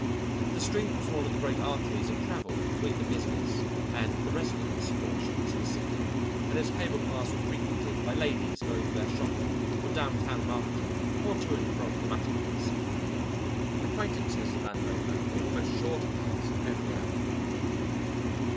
The street was one of the great arteries of travel between the business and the residence portions of the city, and its cable cars were frequented by ladies going to their shopping or downtown marketing or to and from the matinées. Acquaintances of Vandover were almost sure to pass at every hour.